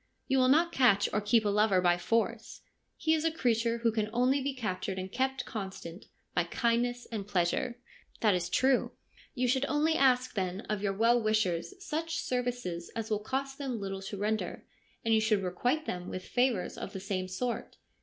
You will not catch or keep a lover by force. He is a creature who can only be captured and kept constant by kindness and pleasure.' ' That is true.' ' You should only ask then of your well wishers such services as will cost them little to render, and you should requite them with favours of the same sort.